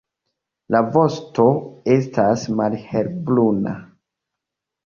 La vosto estas malhelbruna.